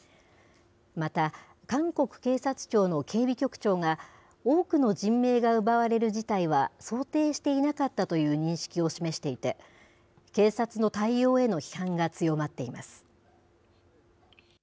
また、韓国警察庁の警備局長が、多くの人命が奪われる事態は想定していなかったという認識を示していて、警察の対応への批判が強まっています。